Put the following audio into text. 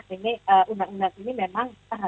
sehingga undang undang ini memang